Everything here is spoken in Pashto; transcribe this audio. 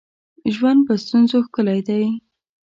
ژوند په ستونزو ښکلی دی